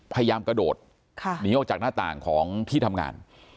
พยายามกระโดดหนีออกจากหน้าต่างของที่ทำงาน